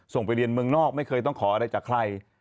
ไปเรียนเมืองนอกไม่เคยต้องขออะไรจากใคร